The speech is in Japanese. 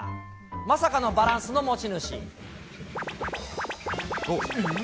まさかのバランスの持ち主。